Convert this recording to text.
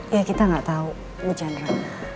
iya kita gak tau bu jendral